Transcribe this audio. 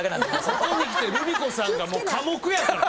ここにきてルミ子さんがもう寡黙やから。